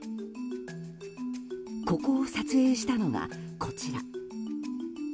ここを撮影したのがこちら。